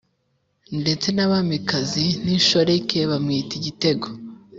ndetse n’abamikazi n’inshoreke bamwita igitego,